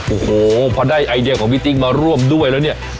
โอ้โหพอได้ไอเดียของพี่ติ๊กมาร่วมด้วยแล้วเนี่ย